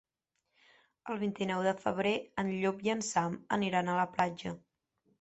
El vint-i-nou de febrer en Llop i en Sam aniran a la platja.